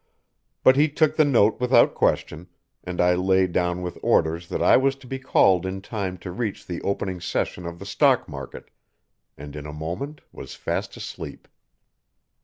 But he took the note without question, and I lay down with orders that I was to be called in time to reach the opening session of the stock market, and in a moment was fast asleep.